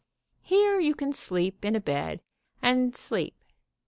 Here you can sleep in a bed, and sleep.